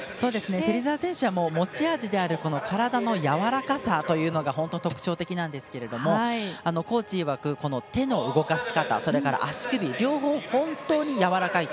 芹澤選手は持ち味である体のやわらかさというのが本当に特徴的なんですけどコーチいわく、手の動かし方それから足首両方本当にやわらかいと。